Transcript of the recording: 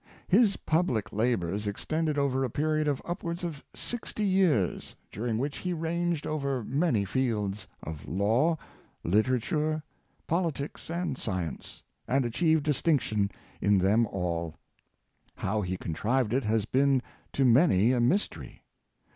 His public labors extended over a period of upwards of sixty years, during which he ranged over many fields — of law, literature, politics, and science — and achieved distinction in them all. Mr. Disraeli, 187 How he contrived it, has been to many a mystery.